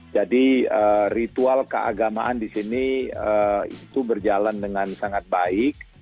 jadi ritual keagamaan di sini itu berjalan dengan sangat baik